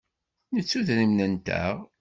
Nettu idrimen-nteɣ.